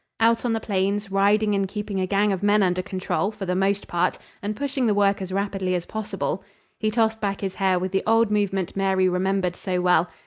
"Out on the plains riding and keeping a gang of men under control, for the most part, and pushing the work as rapidly as possible." He tossed back his hair with the old movement Mary remembered so well.